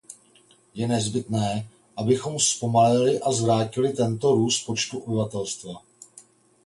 Je nezbytné, abychom zpomalili a zvrátili tento růst počtu obyvatelstva.